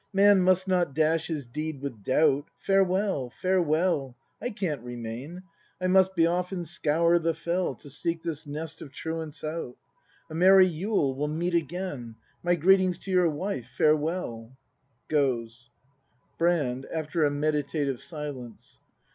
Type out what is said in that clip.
Man must not dash his deed with doubt. Farewell, farewell, I can't remain, I must be off and scour the fell. To seek this nest of truants out. ACT IV] BRAND 187 A merry Yule! We'll meet again! My greetings to your wife. Farewell! [Goes, Brand. [After a meditative silence.